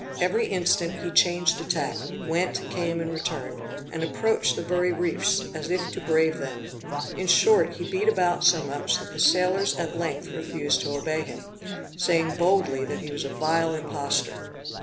Every instant he changed the tack, went, came and returned, and approached the very reefs, as if to brave them; in short, he beat about so much, that the sailors at length refused to obey him, saying boldly that he was a vile imposter.